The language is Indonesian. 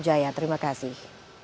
baiklah terima kasih